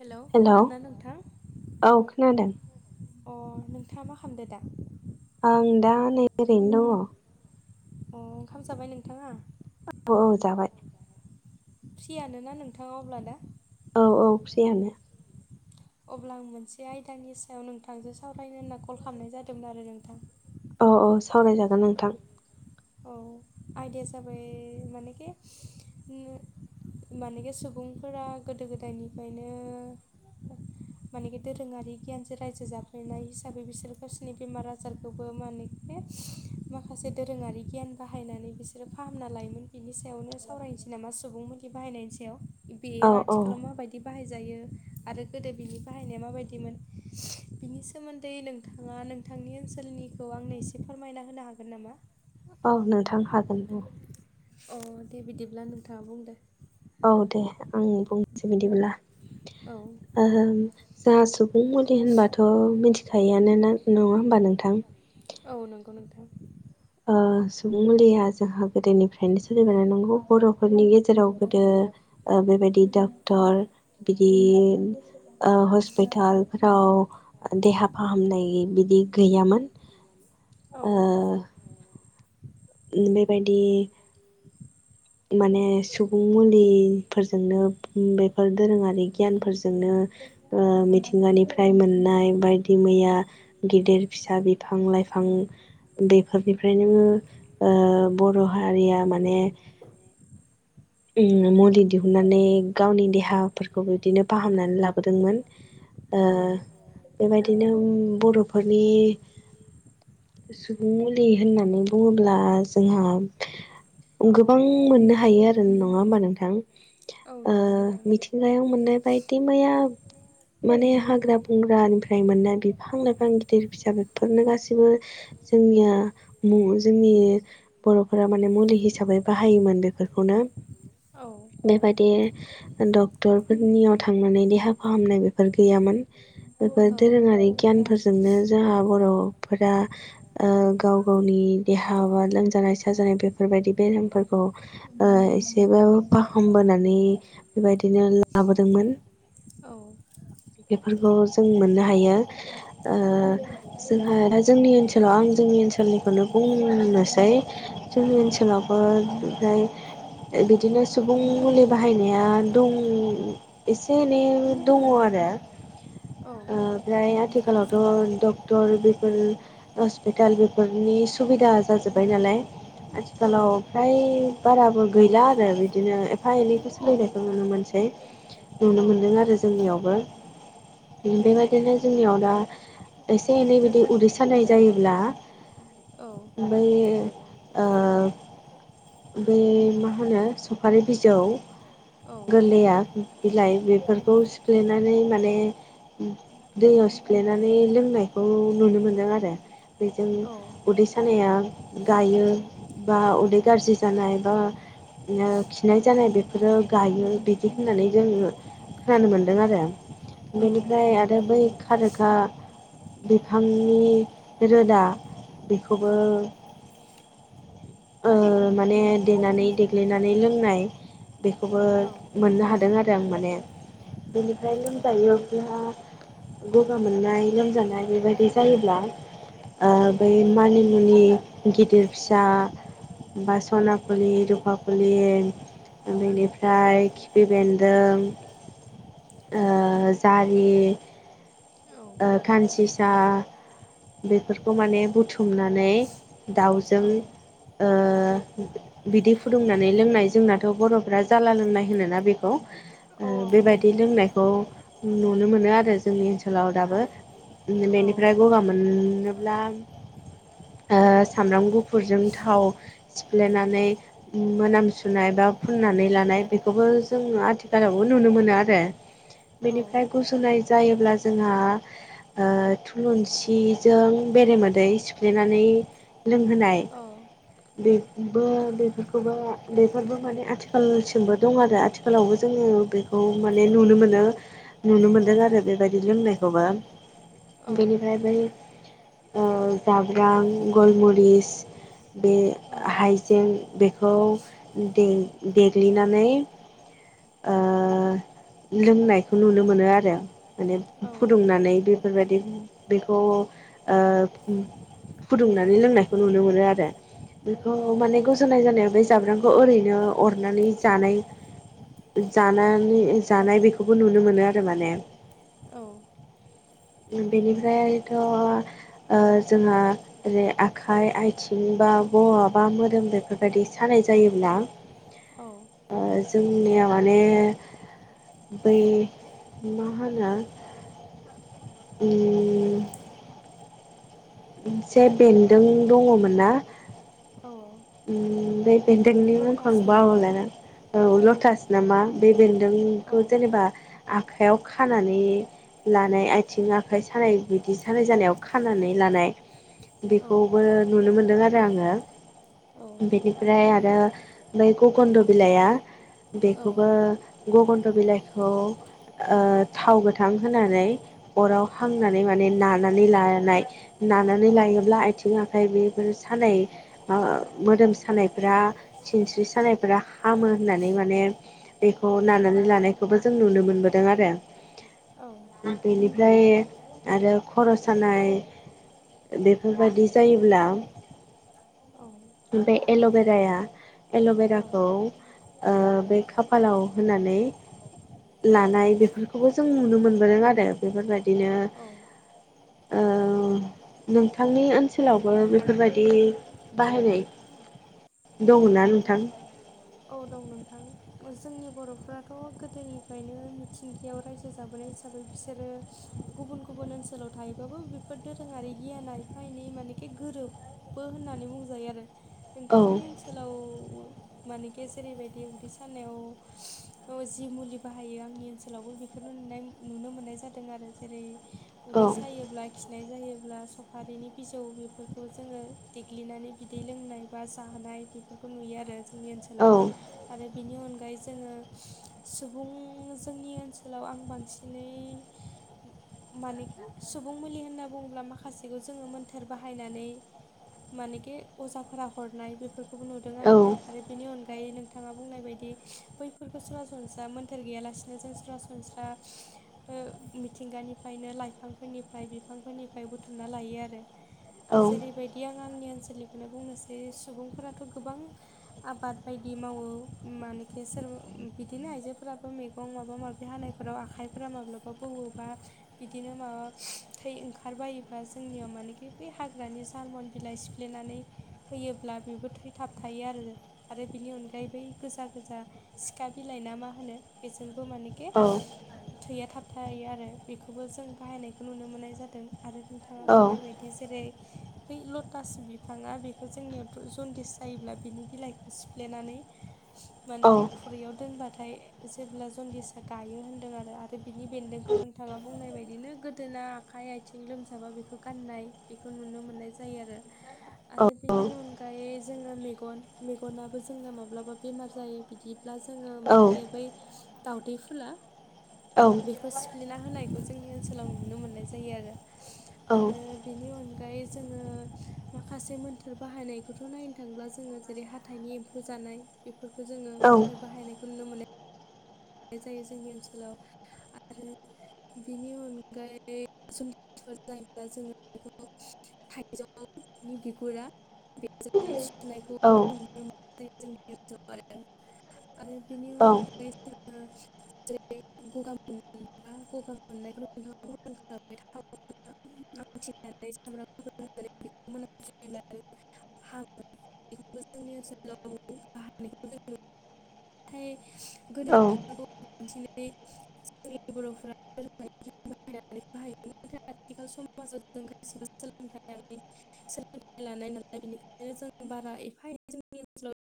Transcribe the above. Hello खोनादोना नोंथां औ खोनादों अ नोंथाङा मा खालामदो दा आं दा नै ओरैनो दङ अ ओंखाम जाबाय नोंथाङा औ जाबाय फ्रियानोना नोंथाङा अब्ला दा औ औ फ्रियानो अब्ला आं मोनसे आयदानि सायाव नोंथांजों सावरायनो होनना कल खालामनाय जादोंमोन आरो नोंथां औ औ सावरायजागोन नोंथां औ आयदाया जाबाय मानेखि मानखि सुबुंफोरा गोदो गोदायनिफ्रायनो मानेखि दोरोङारि गियानजों रायजो जाबोनाय हिसाबै बिसोर गावसोरनि बेमार आजारखौबो माने खि माखासे दोरोङारि गियान बाहायनानै बिसोरो फाहामना लायोमोन बिनि सायावनो सावरायनोसै नामा सुबुंमोननि बाहायनायनि सायाव बेयो औ औ आथिखालाव माबायदि बाहायजायो आरो गोदो बिनि बाहायनाय माबायदिमोन बिनि सोमोन्दै नों थाङा नोंथांनि ओनसोलनिखौ आंनो एसे फोरमायना होनो हागोन नामा औ नोंथां हागोन ओं अ दे बिदिब्ला नोंथाङा बुंदो औ दे आं बुंनोसै बिदिब्ला औ जोंहा सुबुं मुलि होनबाथ' मिथिखायोआानोा नङा होमबा नोंथां? औ नंगौ नोंथां सुबुं मुलिया जोंहा गोदोनिफ्रायनो सोलिबोन नंगौ बर' फोरनि गेजेराव गोदो बेबायदि डक्टर बिदि हस्पिटाल फोराव देहा फाहामनाय बिदि गैयामोन। औ ओ बेबायदि [inaudible] माने सुबुं मुलिफोरजोंनो बेफोर दोरोङारि गियानफोरजोंनो मिथिंगानिफ्राय मोननाय बायदि मैया गिदिर फिसा बिफां लाइफां बेफोरनिफ्राय नोङो बर' हारिया माने औ मुलि दिहुनन्नानै गावनि देहाफोरखौ बिदिनो फाहामनानै लाबोदोंमोन। औ बेबायदिनो बर'फोरनि सुबुं मुलि होननानै बुङोब्ला जोंहा औ गोबां मोननो हायो आरो नङा होनबा नोंथां औ नंगौ नोंथां मिथि सिंगायाव मोननाय बायदि मैया माने हाग्रा बंग्रानिफ्राय मोननाय बिफां लाइफां गिदिर बिजिाबफोरनो गासैबो जोंनिया मुं जोंनि बर'फोरा माने मुलि हिसाबै बाहायोमोन। बेफोरखौनो औ बेबादि डक्टर फोरनियाव थांनानै देहा फाहामनाय बेफोर गैयामोन। बेफोर दोरोङारि गियानफोरजोंनो जोंहा बर'फोरा गाव गावनि देहाा लोमजानाय साजानाय बेफोरबायदि बेरामफोरखौ एसेबाबो फाहामबोनानै बेबायदिनो लाबोदोंमोन। औ बेफोरखौ जों मोननो हायो औ जों दा जोंनि ओनसोलाव आं जोंनि ओनसोलनिखौनो बुंनांनोसै औ जोंनि ओनसोलाव ओ ओमफ्राय बिदिनो सुबुं मुलि बाहायनाया दं एसे एनै दङ आरो। औ ओ ओमफ्राय आथिखालावथ' डक्टर बेफोर हस्पिताल बेफोरनि सुबिदा जाजोब्बाय नालाय आथिखालाव फ्राय बाराबो गैला आरो बिदिनो एफा एनैखौ सोलिनायखौ नुनो मोनसै नुनो मोनदों आरो। जोंनियावबो बेबायदिनो जोंनियाव दा एसे एनै बिदि उदै सानाय जायोब्ला औ ओमफ्राय मा [unintelligible] मा होनो सफारि बिजौ गोरलैया बिलाइ बेफोरखौ सिफ्लेनानै माने दैयाव सिफ्लेनानै लोंनायखौ नुनो मोनदों आरो। बेजों उदै सानाया गायो बा उदै गाज्रि जानाय बा खिनाय जानाय बेफोरो गायो बिदि होननानै जोङो खोनानो मोनदों आरो बेनिफ्राय आरो बै खारखा बिफांनि रोदा बेखौबो माने देनानै दे देनानै लोंनाय बेखौबो औ मोननो हादों आरो माने बेनिफ्राय लोमजायोब्ला गगा मोननाय लोमजानाय बेबायदि जायोब्ला बै मानिमुनि गिदिर फिसा बा सना फुलि रूफा फुलि बेनिफ्राय खिफि बेन्दों जारि खानसिंसा बेफोरखौ माने बुथुमनानै दाउजों औ ओ बिदि फुदुंनानै लोंनाय जोंनाथ' बर'फ्रा जाला लोंनाय होनोना बेखौ औ होनो दै नोंथां लोंनायखौ नुनो मोनो आरो जोंनि ओनसोलाव दाबो औ बेनिफ्राय गगा मोन मोनोब्ला सामब्राम गुफुरजों थाव सिफ्लेनानै मोनामसुनाय बा फुननानै लानाय बेखौबो जोङो आथिखालावबो नुनो मोनो आरो आरो औ बेनिफ्राय गुजुनाय जायोब्ला जोंहा थुलुंसिजों बेरेमोदै सिफ्लेनानै लोंहोनाय औ बेबो बेफोरखौबो बेफोरबो माने आथिखालसिमबो दं आरो आथिखाल गोलावबो जोङो बेखौ माने नुनो मोनो नुनो मोनदों आरो बेबायदि लोंनायखौबो। बेनिफ्राय बै जाब्रां गलमरिस बे हाइजें बेखौ देग्लिनानै लोंनायखौ नुनो मोनो आरो माने फुदुंनानै बे बेफोरबायदि बेखौ फुदुंनानै लोंनायखौ नुनो मोनो आरो बेखौ औ माने साय जानायाव बे जाब्रांखौ ओरैनो अरनानै जानाय जानानै जानाय बेखौबो नुनो मोनो आरो माने औ। बेनिफ्रायथ' जोंहा ओरै आखाइ आथिं बा बहाबा मोदोम बेफोरबायदि सानाय जायोब्ला औ। जोंनिया माने बै मा होनो। उम से बेन्दों दङमोन ना। औ औ बे बेनदोंनि मुंखौ आं बेन्दों बावबाय औ लटास औ नामा बे बेन्दोंखौ औ जेनेबा आखाइयाव खानानै लानाय आथिं आखाइ सानाय बिदि सानाय जानायाव खानानै लानाय बेखौबो औ नुनो मोनदों आरो आङो औ बेनि ओमफ्राय आरो मैगकन्न्द बिलाइया औ बेखौबो गखन्थ बिलाखौ- थाव गोथां होनानै अराव हांनानै माने नानानै लानाय नानानै लायोब्ला आथिं आखाइ बेफोर सानाय मोदोम सानायफ्रा सिनस्रि सानायफ्रा हामो होननानै माने बेखौ नानानै लानायखौबो जों नुनो मोनबोदों आरो। औ बेनिफ्राय आरो खर' सानाय बेफोरबायाददि जायोब्ला बे एल'भेराया एल'बेराखौ बे खाफालाव होनानै लानाय बेफोरखौबो जों नुनो मोनबोदों आरो। बेफोरबायदिनो ओ नोंथांनि ओनसोलावबो बेफोरबायदि बाहायनाय औ दङना नोंथां? औ दं नोंथां जोंनि बर'फथ' गोदोनिफ्रायनो मिथिंगायाव रायजो जाबोनाय जायो। हिसाबै बिसोरो गुबुन गुबुन ओनसोलाव थायोबाबो बेफोर दोरोङारि गियान एफा एनै माने ए गोरोबबो होननानै बुंजायो आरो औ नोंथांनि ओनोलाव मानेे जेरैबायदि उदै सानायाव जि म बाहायो आंनि ओनसोलावबो बेखौनोनाय नुनो मोननाय जादों आरो जेरै- औ उदै सायोब्ला खि फिनाय जायोब्ला सफारिनि बिजौ बेफोरखौ जोङो देग्लिनानै बिदै लोंनाय बा जानाय बेफोरखौ नुयो आरो जोंनि औ ओनसोलाव। आरो बिनि अनगायै जोङो सुबुं जोंनि ओनसोलाव आं बांसिन बिनै मानखि सुबुं मुलि होनना बुङोब्ला माखासेखौ जोङो मोन्थोर बाहायनानै मानेकि अजाफोरा हरनाय बेफोरखौबो नुदों औ आङो आरो बेनि अनगा ओमफ्राय नोंथाङा बुंनाय बायदि बैफोरखौ सरासनस्रा मोन्थोर गैयालासिनो जों सरासनस्रा मिथिंगानिफ्रायनो लाइफांफोरनिफ्राय बिफांफोरनिफ्राय बुथुमना लायो आरो। औ जेरैबायदि आं आंनि ओनसोलनिखौनो बुंनोसै सुबुंफोराथ' गोबां आबाद बायदि मावो मानेखि सोरबा बिदिनो आइजोफोराबो मैगं माबा माबि हानाय बे फोराव आखाइफोरा माब्लाबा बौवोबा बिदिनो माबा थै ओंखारबायोबा जोंनियाव मानखि बै हाग्रानि जारमन बिलाइ सिफ्लेनानै होयोब्ला बेबो थैथाब थायो आरो। आरो बेनि अनगायै बै गोजा गोजा सिखा बिलाइ ना मा होनो बेजोंबो माने औ थैया थाब थायो आरो बेखौबो जों बाहायनायखौ नुनो मोननाय जादों आरो। थाङा औ बुंनाय बायदि जेरै बै लटास बिफाङा बेखौ जोंनियाव जन्दिस जायोब्ला बिनि बिलाइखौ सिफ्लेनानै औ मानेखि खुरैयाव दोनबाथाय जेब्ला जनदिसा गायो होन्दों आरो आरो बिनि बेन्दोंखौ नोंथाङा बुंनाय बायदिनो गोदोना आखाइ आथिं आथिं लोमजाबा बेखौ गाननाय बेखौ नुनो मोननाय जायो आरो। आरो बेनि अनगायै जोङो मेगन मेगनाबो जोंना माब्लाबा बेमार जायो। बिदिब्ला जोङो औ मानेखि बै दउदै फुला औ बेखौ सिफ्लेना होनायखौ जोंनि ओनसोलाव नुनो मोननाय जायो आरो आरो बेनि अनगायै जोङो माखासे मोन्थोर बाहायनायखौथ' नायनो थांब्ला जोङो जेरै हाथाइनि एम्फौ जानाय बेफोरखौ जोङो मोन्थोर बाहायनायखौ नुनो मोनो। जायो जोंनि ओनसोलाव आरो बेनि अनगायैफोर जायोब्ला जोङो बेखौ थाइजौनि बिगुरा बेजों सुनायखौ औ [unintelligible] आरो बिनि अनगायै [unintelligible] [unintelligible] [unintelligible] [unintelligible] औ [unintelligible] बाहायोमोन नाथाय आथिखाल समाजाव जों गासिबो सोलोंथायारि सोलोंथाइ लानाय नालाय बेनिखायनो जों बारा एफा एनै जोंनि ओनसोलाव